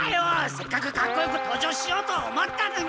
せっかくかっこよく登場しようと思ったのに！